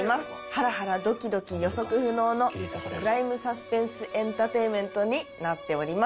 ハラハラドキドキ予測不能のクライムサスペンスエンターテインメントになっております。